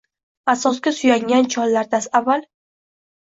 Asoga suyangan chollar dastavval